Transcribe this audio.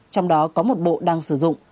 trong đó có một bộ đang sử dụng